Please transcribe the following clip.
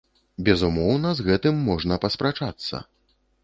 Безумоўна, з гэтым можна паспрачацца.